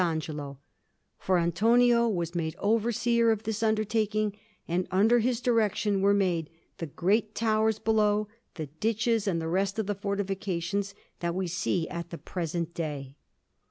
Angelo, for Antonio was made overseer of this undertaking, and under his direction were made the great towers below, the ditches, and the rest of the fortifications that we see at the present day.